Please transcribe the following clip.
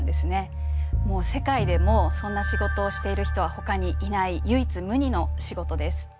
もう世界でもそんな仕事をしている人はほかにいない唯一無二の仕事です。